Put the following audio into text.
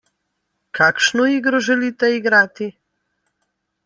Kakšno igro želite igrati?